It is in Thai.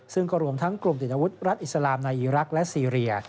ซึ่งก็รวมทั้งกลุ่มติดอาวุธรัฐอิสลามในอีรักษ์และซีเรีย